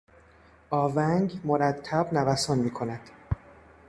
آونگ مرتب نوسان میکند.